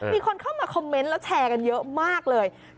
มีคนเข้ามาคอมเมนต์แล้วแชร์กันเยอะมากเลย